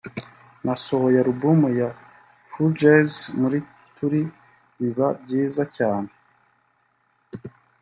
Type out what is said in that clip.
“Nasohoye album ya Fugees muri Turi biba byiza cyane